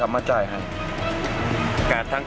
ภารกิจสรรค์ภารกิจสรรค์